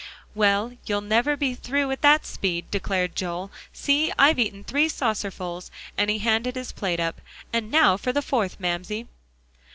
"Well, you'll never be through at that speed," declared Joel. "See I've eaten three saucerfuls," and he handed his plate up, "And now for the fourth, Mamsie."